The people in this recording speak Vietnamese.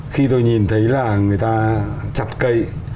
khi tôi nhìn thấy là người ta chặt cây